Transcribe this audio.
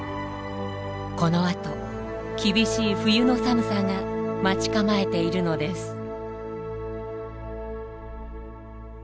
このあと厳しい冬の寒さが待ち構えているのです。